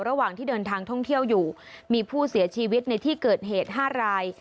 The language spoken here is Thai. ระหว่างที่เดินทางท่องเที่ยวอยู่มีผู้เสียชีวิตในที่เกิดเหตุ๕ราย